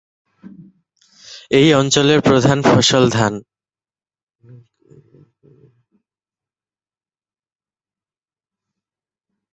এই অঞ্চলের প্রধান ফসল ধান।